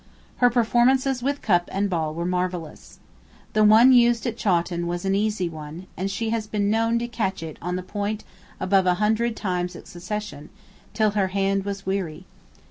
Her performances with cup and ball were marvellous. The one used at Chawton was an easy one, and she has been known to catch it on the point above an hundred times in succession, till her hand was weary.